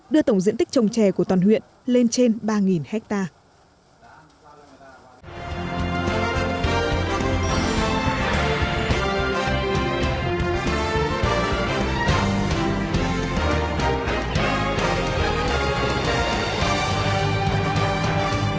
đưa tổng diện tích trồng trè của toàn huyện lên trên ba hectare